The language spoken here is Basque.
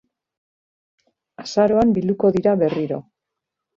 Azaroan bilduko dira berriro.